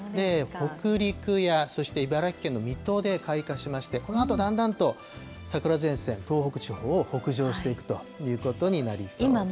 北陸やそして茨城県の水戸で開花しまして、このあとだんだんと桜前線、東北地方を北上していくということになりそうです。